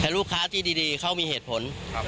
แต่ลูกค้าที่ดีเขามีเหตุผล